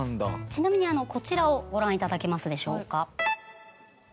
ちなみにこちらをご覧いただけますでしょうか。